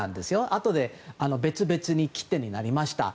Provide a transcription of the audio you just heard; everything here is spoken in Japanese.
あとで別々に切手になりました。